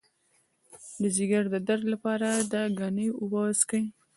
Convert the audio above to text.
د ځیګر د درد لپاره د ګنیو اوبه وڅښئ